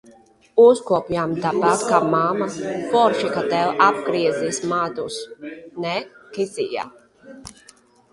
Uzkopjam tāpat kā mamma Forši, ka tev apgriezīs matus, ne, Keisija?